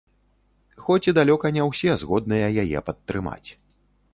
Хоць і далёка не ўсе згодныя яе падтрымаць.